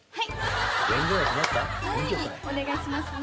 お願いしますね。